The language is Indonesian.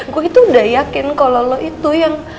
gue itu gak yakin kalau lo itu yang